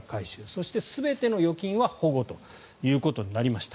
そして、全ての預金は保護となりました。